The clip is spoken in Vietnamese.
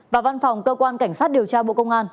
và văn phòng cơ quan cảnh sát điều tra bộ công an